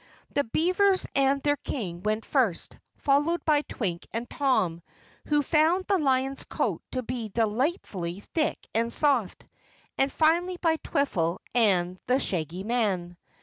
The beavers and their King went first, followed by Twink and Tom, who found the lion's coat to be delightfully thick and soft, and finally by Twiffle and the Shaggy Man.